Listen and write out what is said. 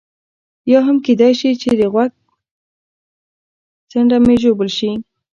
یا هم کېدای شي چې د غوږ څنډه مې ژوبل شي.